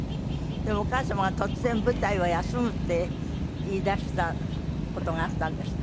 でもお母様が突然「舞台を休む」って言い出した事があったんですって？